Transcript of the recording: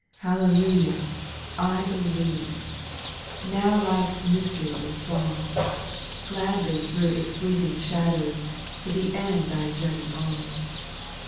4. Hallelujah I I believe ! Now life's mystery is gone, Gladly thro' its fleeting shadows, To the end I journey on.